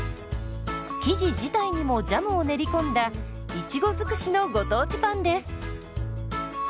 生地自体にもジャムを練り込んだいちご尽くしのご当地パンです。